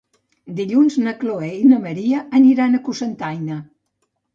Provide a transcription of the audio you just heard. Dilluns na Chloé i na Maria aniran a Cocentaina.